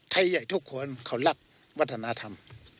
ไทยใหญ่ทุกคนเขารักวัฒนธรรม